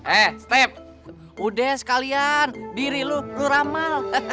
eh step udah sekalian diri lu lu ramal